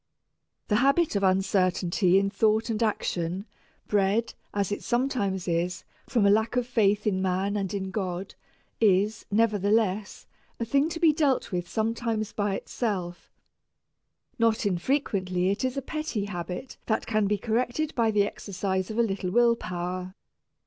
The habit of uncertainty in thought and action, bred, as it sometimes is, from a lack of faith in man and in God, is, nevertheless, a thing to be dealt with sometimes by itself. Not infrequently it is a petty habit that can be corrected by the exercise of a little will power.